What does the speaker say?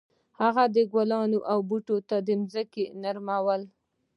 هغه د ګلانو او بوټو ته ځمکه نرموله.